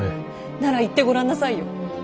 なら言ってごらんなさいよ。